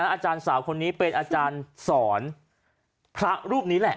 อาจารย์สาวคนนี้เป็นอาจารย์สอนพระรูปนี้แหละ